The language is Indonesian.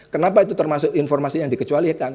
kenapa itu termasuk informasi yang dikecualikan